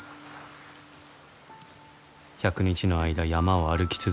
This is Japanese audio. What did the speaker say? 「百日の間山を歩き続け